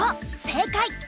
正解。